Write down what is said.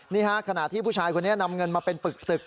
ขณะที่ผู้ชายคนนี้นำเงินมาเป็นปึก